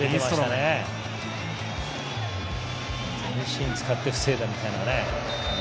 全身使って防いだみたいな。